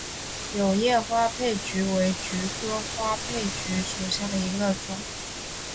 卵叶花佩菊为菊科花佩菊属下的一个种。